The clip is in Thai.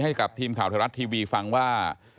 ให้กับทีมข่าวไทยรัฐทีวีฟังว่า